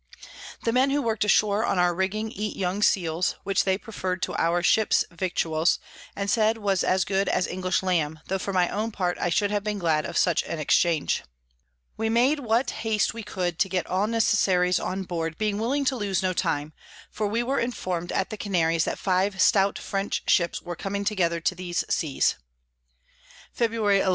The Men who work'd ashore on our Rigging eat young Seals, which they prefer'd to our Ships Victuals, and said was as good as English Lamb; tho for my own part I should have been glad of such an Exchange. We made what haste we could to get all Necessaries on board, being willing to lose no time; for we were inform'd at the Canaries that five stout French Ships were coming together to these Seas. _Febr. 11.